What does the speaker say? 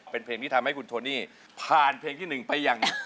เป็นเพลงที่ทำให้คุณโทนี่ผ่านเพลงที่๑ไปอย่าง